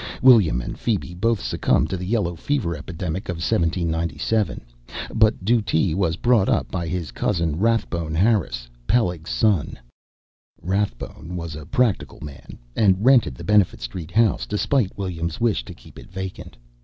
William and Phebe both succumbed to the yellow fever epidemic of 1797, but Dutee was brought up by his cousin Rathbone Harris, Peleg's son. Rathbone was a practical man, and rented the Benefit Street house despite William's wish to keep it vacant.